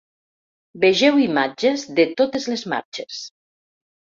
Vegeu imatges de totes les marxes.